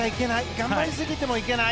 頑張りすぎてもいけない。